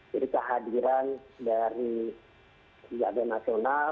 jadi kehadiran dari jadwal nasional